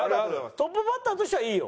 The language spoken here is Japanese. トップバッターとしてはいいよ。